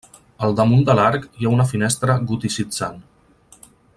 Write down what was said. Al damunt de l'arc hi ha una finestra goticitzant.